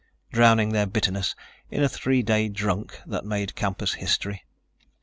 drowning their bitterness in a three day drunk that made campus history.